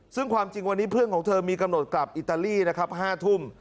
ซึ่งความจริงวันนี้เพื่อนของเธอมีกำหนดกลับอิตาลีนะครับ๕ทุ่ม